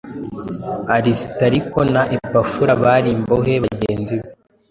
Arisitariko na Epafura bari ” imbohe bagenzi be.